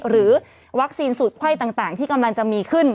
หรือวัคซีนสูตรไข้ต่างที่กำลังจะมีขึ้น